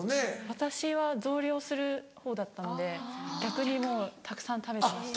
私は増量するほうだったので逆にたくさん食べてました。